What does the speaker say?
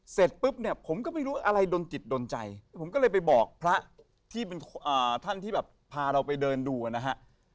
เสร็จปุ๊บเนี่ยผมก็ไม่รู้อะไรดนจิตโดนใจผมก็เลยไปบอกพระที่เป็นท่านที่แบบพาเราไปเดินดูนะฮะ